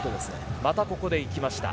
またここで行きました。